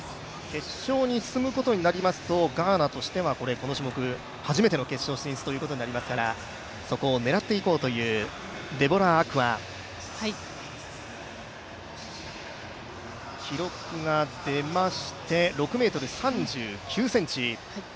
決勝に進むことになりますとガーナとしてはこの種目初めての決勝進出となりますからそこを狙っていこうというデボラー・アクア、記録が出まして６ｍ３９ｃｍ。